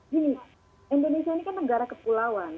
gini indonesia ini kan negara kepulauan